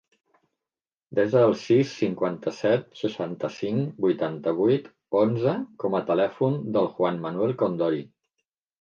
Desa el sis, cinquanta-set, seixanta-cinc, vuitanta-vuit, onze com a telèfon del Juan manuel Condori.